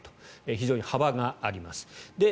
非常に幅があります。